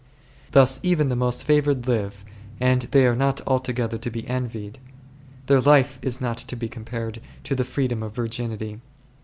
Thus even the most favoured live, and they are not alto gether to be envied ; their life is not to be compared to the freedom of virginity.